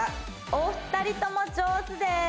お二人とも上手です！